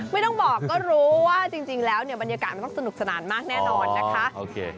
ไม่ต้องบอกก็รู้ว่าจริงแล้วเนี่ยบรรยากาศมันต้องสนุกสนานมากแน่นอนนะคะโอเค